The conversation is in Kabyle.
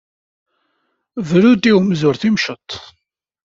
Bru-d i umzur timceṭ.